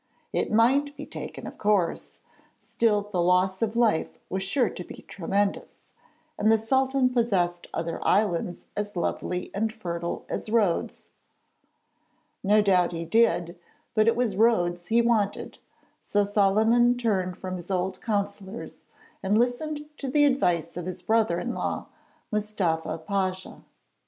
It might be taken, of course; still the loss of life was sure to be tremendous and the Sultan possessed other islands as lovely and fertile as Rhodes. No doubt he did; but it was Rhodes he wanted, so Solyman turned from his old councillors and listened to the advice of his brother in law, Mustafa Pasha.